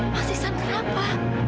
mas iksan kenapa